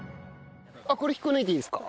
これ引っこ抜いていいですか？